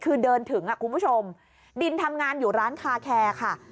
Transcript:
คือเดินถึงคุณผู้ชมดินทำงานอยู่ร้านคาแคร์ค่ะ